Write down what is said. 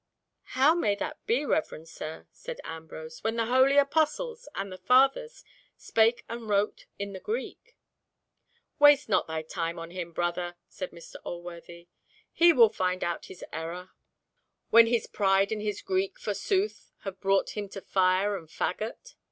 "How may that be, reverend sir," said Ambrose, "when the holy Apostles and the Fathers spake and wrote in the Greek?" "Waste not thy time on him, brother," said Mr. Alworthy. "He will find out his error when his pride and his Greek forsooth have brought him to fire and faggot."